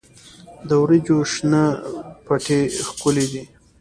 د وریجو شنه پټي ښکلي دي.